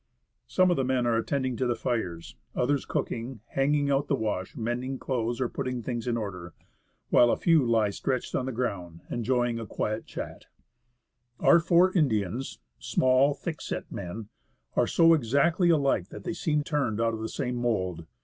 Some of the men are attending to the fires, others cooking, hanging out the wash, mending clothes, or putting 77 THE ASCENT OF MOUNT ST. ELIAS things in order, while a few lie stretched on the ground enjoying a quiet chat. Our four Indians, small, thick set men, are so exactly alike that they seem turned out of the same mould.